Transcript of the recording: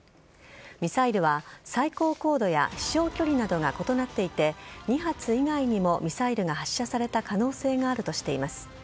ミサイルは最高高度や飛翔距離などが異なっていて２発以外にもミサイルが発射された可能性があるとしています。